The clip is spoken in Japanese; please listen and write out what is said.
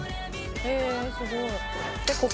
へえすごい。